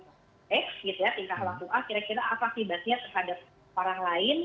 kira kira apa khidmatnya terhadap orang lain